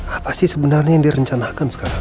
apa sih sebenarnya yang direncanakan sekarang